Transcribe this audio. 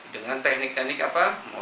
dengan teknik teknik apa